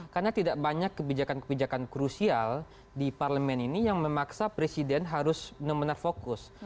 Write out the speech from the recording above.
karena tidak banyak kebijakan kebijakan krusial di parlemen ini yang memaksa presiden harus benar benar fokus